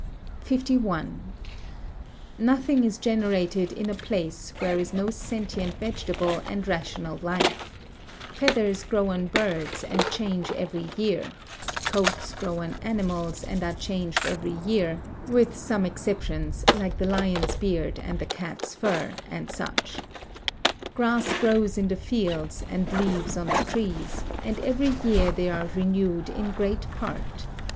51. Nothing is generated in a place where is no sentient vegetable and rational life; feathers grow on birds and change every year; coats grow on animals and are changed every year, with some exceptions, like the lion's beard and the cat's fur, and such; grass grows in the fields and leaves on the trees; and every year they are renewed in great part.